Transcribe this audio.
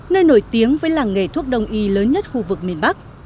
nơi nổi tiếng với làng nghề thuốc đông y lớn nhất khu vực miền bắc